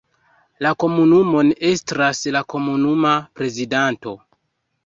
La komunumon estras la komunuma prezidanto.